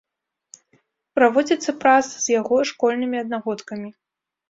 Праводзіцца праца з яго школьнымі аднагодкамі.